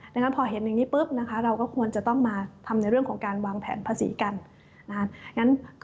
ดังนั้นพอเห็นอย่างนี้ปุ๊บนะคะเราก็ควรจะต้องมาทำในเรื่องของการวางแผนภาษีกันนะคะ